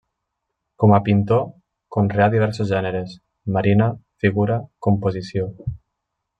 Com a pintor, conreà diversos gèneres –marina, figura, composició.